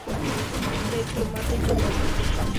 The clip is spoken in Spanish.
Blake lo mata y toma la radio.